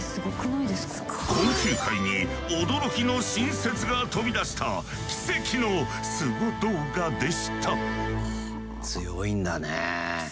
昆虫界に驚きの新説が飛び出した奇跡のスゴ動画でした。